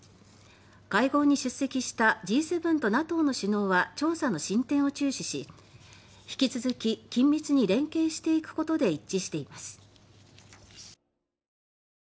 会合に出席したＧ７とＮＡＴＯの首脳は調査の進展を注視し引き続き緊密に連携していくことで一致しています。